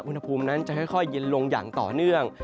วันนั้นจะค่อยเย็นลงอย่างต่อเนื่อง